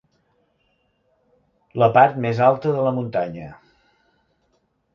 La part més alta de la muntanya.